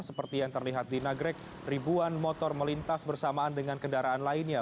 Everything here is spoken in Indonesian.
seperti yang terlihat di nagrek ribuan motor melintas bersamaan dengan kendaraan lainnya